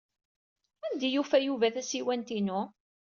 Anda ay yufa Yuba tasiwant-inu?